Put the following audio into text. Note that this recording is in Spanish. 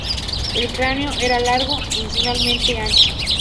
El cráneo era largo, e inusualmente ancho.